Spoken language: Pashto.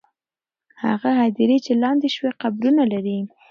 هغه هدیرې چې لاندې شوې، قبرونه لري.